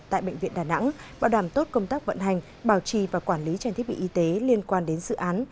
tại bệnh viện đà nẵng bảo đảm tốt công tác vận hành bảo trì và quản lý trang thiết bị y tế liên quan đến dự án